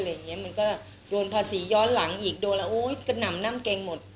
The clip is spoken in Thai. อะไรอย่างเงี้ยมันก็โดนภาษีย้อนหลังอีกโดนแล้วโอ้ยกระหน่ำน่ำเกงหมด